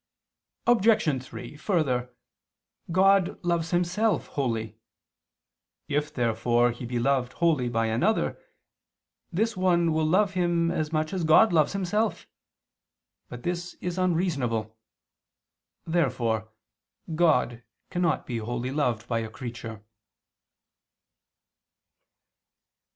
Obj. 3: Further, God loves Himself wholly. If therefore He be loved wholly by another, this one will love Him as much as God loves Himself. But this is unreasonable. Therefore God cannot be wholly loved by a creature.